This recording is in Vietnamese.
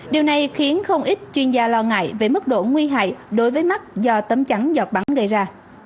điều này khiến không ít chuyên gia lo ngại về mức độ nguy hại đối với mắt do tấm chắn giọt bắn gây ra